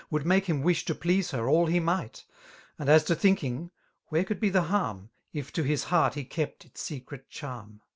Would make him wish iA please her all he might $ And as to thinking^ ^where could be the harm> If to his heart he kept its secret charm?